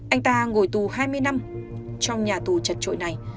anh ta ngồi tù hai mươi năm trong nhà tù chật trội này